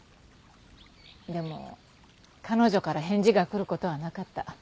でも彼女から返事が来る事はなかった。